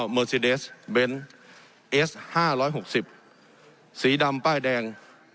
เมอร์ซีเดสเบนเอสห้าร้อยหกสิบสีดำป้ายแดง